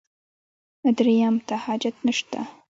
درېیم ته حاجت نشته.